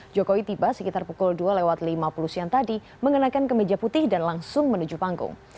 jokowi tiba sekitar pukul dua lewat lima puluh siang tadi mengenakan kemeja putih dan langsung menuju panggung